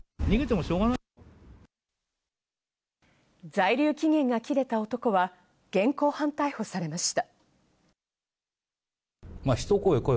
在留期限が切れた男は現行犯逮捕されました。